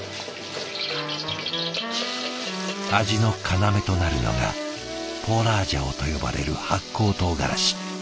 味の要となるのがポーラージャオと呼ばれる発酵とうがらし。